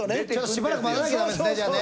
しばらく待たなきゃだめですね。